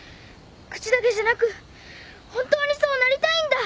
口だけじゃなく本当にそうなりたいんだ。